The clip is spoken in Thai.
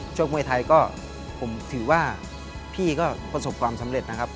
ชกมวยไทยก็ผมถือว่าพี่ก็ประสบความสำเร็จนะครับ